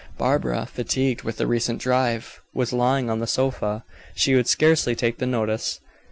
Barbara, fatigued with a recent drive, was lying on the sofa. She would scarcely take the notice.